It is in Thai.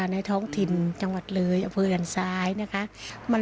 ในท้องถิ่นจังหวัดเรย์อเฟิร์นซ้ายนะคะ